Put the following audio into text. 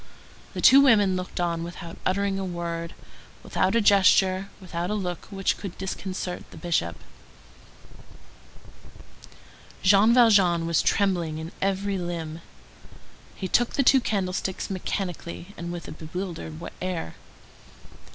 The two women looked on without uttering a word, without a gesture, without a look which could disconcert the Bishop. Jean Valjean was trembling in every limb. He took the two candlesticks mechanically, and with a bewildered air.